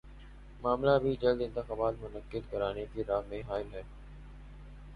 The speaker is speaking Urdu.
معاملہ بھی جلد انتخابات منعقد کرانے کی راہ میں حائل ہے